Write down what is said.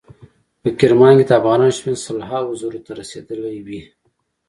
په کرمان کې د افغانانو شمیر سل هاو زرو ته رسیدلی وي.